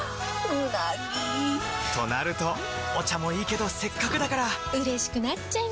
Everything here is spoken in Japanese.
うなぎ！となるとお茶もいいけどせっかくだからうれしくなっちゃいますか！